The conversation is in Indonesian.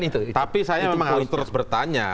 tapi saya cuma harus terus bertanya